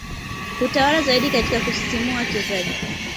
hutawala zaidi katika kusisimua wachezaji